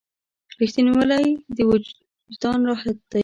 • رښتینولی د وجدان راحت دی.